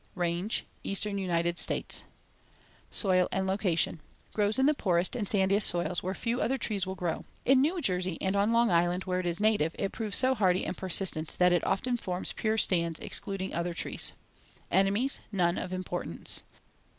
Range: Eastern United States. Soil and location: Grows in the poorest and sandiest soils where few other trees will grow. In New Jersey and on Long Island where it is native, it proves so hardy and persistent that it often forms pure stands excluding other trees. [Illustration: FIG. 4. Twig of the Pitch Pine.] Enemies: None of importance.